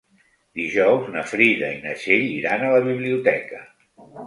Dijous na Frida i na Txell iran a la biblioteca.